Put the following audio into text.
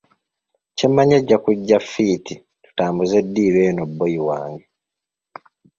Kye mmanyi ajja kujja fiiti tutambuze ddiiru eno bboyi wange.